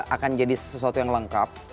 akan jadi sesuatu yang lengkap